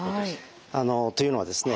というのはですね